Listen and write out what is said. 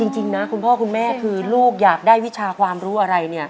จริงนะคุณพ่อคุณแม่คือลูกอยากได้วิชาความรู้อะไร